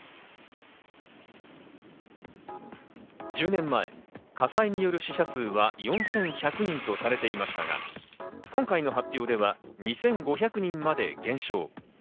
１０年前、火災による死者数は４１００人とされていましたが、今回の発表では２５００人まで減少。